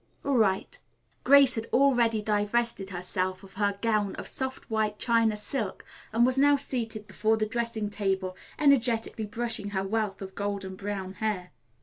"All right." Grace had already divested herself of her gown of soft white China silk and was now seated before the dressing table energetically brushing her wealth of golden brown hair.